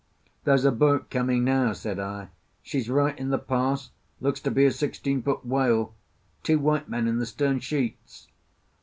"There's a boat coming now," said I. "She's right in the pass; looks to be a sixteen foot whale; two white men in the stern sheets."